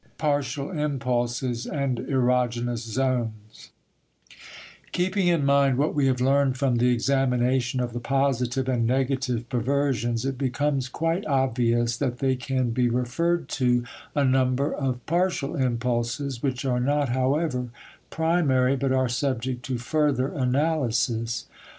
PARTIAL IMPULSES AND EROGENOUS ZONES Keeping in mind what we have learned from the examination of the positive and negative perversions, it becomes quite obvious that they can be referred to a number of "partial impulses," which are not, however, primary but are subject to further analysis.